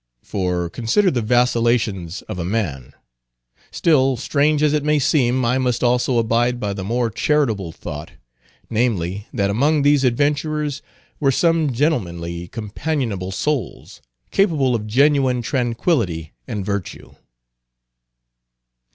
For consider the vacillations of a man. Still, strange as it may seem, I must also abide by the more charitable thought; namely, that among these adventurers were some gentlemanly, companionable souls, capable of genuine tranquillity and virtue."